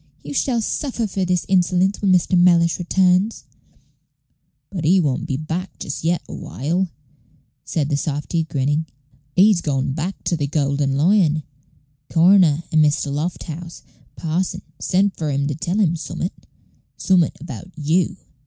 "You shall suffer for this insolence when Mr. Mellish returns." "But he won't be back just yet a while," said the softy, grinning. "He's gone back to the Golden Loi on. Th' coroner and Mr. Lofthouse, th' parson, sent for him to tell him summat summat about you!"